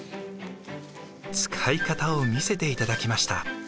使い方を見せていただきました。